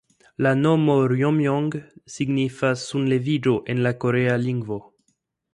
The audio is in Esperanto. La nomo "Rjomjong" signifas "sunleviĝo" en la Korea lingvo.